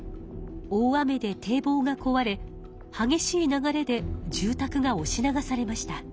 大雨でてい防がこわれ激しい流れで住たくがおし流されました。